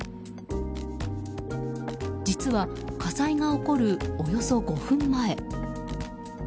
実は火災が起こるおよそ５分前。